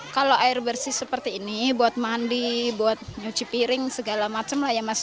kalau air bersih seperti ini buat mandi buat nyuci piring segala macam lah ya mas